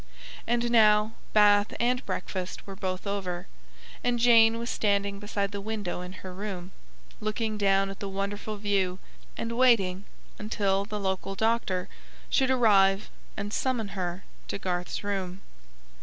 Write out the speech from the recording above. And now bath and breakfast were both over, and Jane was standing beside the window in her room, looking down at the wonderful view, and waiting until the local doctor should arrive and summon her to Garth's room.